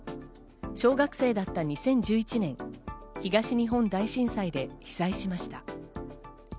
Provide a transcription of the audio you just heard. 小学生だった２０１１年、東日本大震災で被災しました。